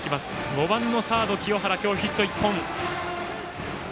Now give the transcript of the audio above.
５番のサード、清原今日ヒット１本。